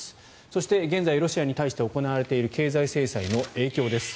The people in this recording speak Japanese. そして現在、ロシアに対して行われている経済制裁の影響です。